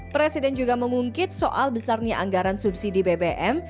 presiden juga mengungkit soal besarnya anggaran subsidi bbm